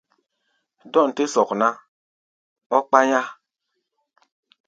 Dɔ̂n tɛ́ sɔk ná, ɔ́ kpá̧yá̧.